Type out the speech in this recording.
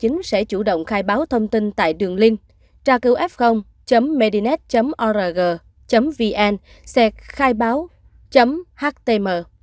sở y tế tp hcm sẽ chủ động khai báo thông tin tại đường link tra cứuf medinet org vn xe khai báo htm